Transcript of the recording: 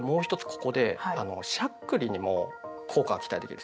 ここでしゃっくりにも効果が期待できるんです。